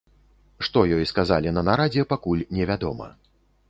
Што ёй сказалі на нарадзе, пакуль невядома.